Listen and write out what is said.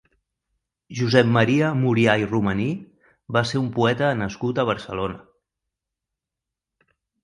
Josep Maria Murià i Romaní va ser un poeta nascut a Barcelona.